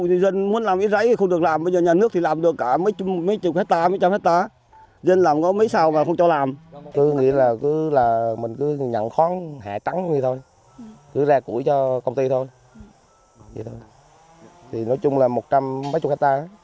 thì nói chung là một trăm mấy chục hectare một trăm ba mấy hectare